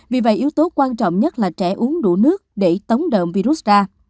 vì vậy yếu tố quan trọng nhất là trẻ uống đủ nước để tống đờm virus ra